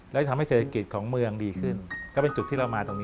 และทำให้เศรษฐกิจของเมืองดีขึ้นก็เป็นจุดที่เรามาตรงนี้